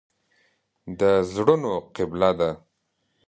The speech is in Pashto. د زړونو قبله ده.